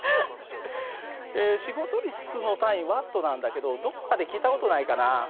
仕事率の単位Ｗなんだけどどこかで聞いた事ないかな？